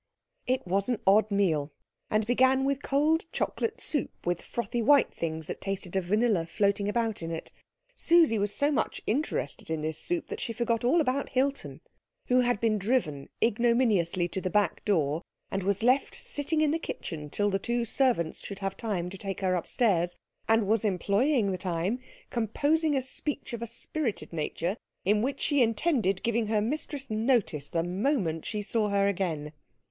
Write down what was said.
It was an odd meal, and began with cold chocolate soup with frothy white things that tasted of vanilla floating about in it. Susie was so much interested in this soup that she forgot all about Hilton, who had been driven ignominiously to the back door and was left sitting in the kitchen till the two servants should have time to take her upstairs, and was employing the time composing a speech of a spirited nature in which she intended giving her mistress notice the moment she saw her again.